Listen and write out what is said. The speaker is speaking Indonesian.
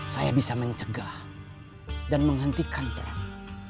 saya bisa mencegah dan menghentikan perang